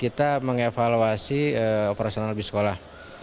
kita mengevaluasi operasional bis sekolah